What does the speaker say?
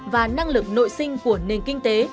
và năng lực nội sinh của nền kinh tế